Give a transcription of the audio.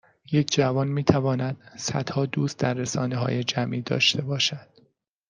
یک جوان میتواند صدها دوست در رسانههای جمعی داشته باشد